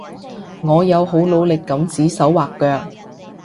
我有好努力噉指手劃腳